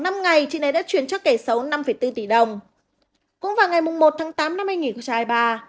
ngày chị này đã chuyển cho kẻ xấu năm bốn tỷ đồng cũng vào ngày một tháng tám năm anh nghỉ của trai bà